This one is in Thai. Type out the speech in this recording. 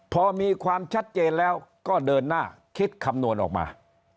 พอมีความชัดเจนแล้วก็เดินหน้าคิดคำนวณออกมา